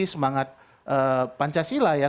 semangat pancasila ya